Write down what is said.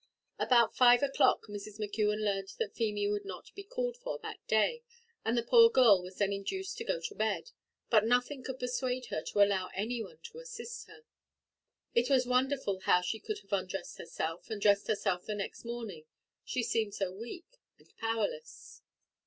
About five o'clock Mrs. McKeon learnt that Feemy would not be called for that day, and the poor girl was then induced to go to bed; but nothing could persuade her to allow any one to assist her. It was wonderful how she could have undressed herself, and dressed herself the next morning, she seemed so weak and powerless!